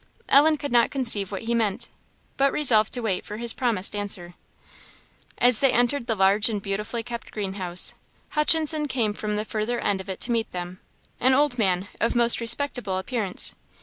Ellen could not conceive what he meant, but resolved to wait for his promised answer. As they entered the large and beautifully kept greenhouse, Hutchinson came from the further end of it to meet them an old man, of most respectable appearance.